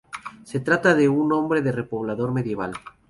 Se trata de un nombre de repoblador medieval.